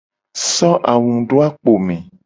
So angu do akpo me.